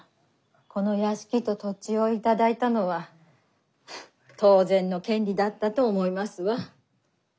この屋敷と土地を頂いたのは当然の権利だったと思いますわ。